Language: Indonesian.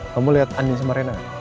kamu lihat adin sama rena